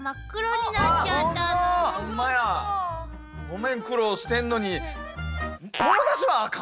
ごめん苦労してんのに。